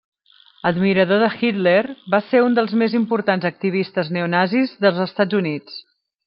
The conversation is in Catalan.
Admirador de Hitler, va ser un dels més importants activistes neonazis dels Estats Units.